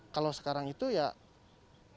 kalau sekarang itu ya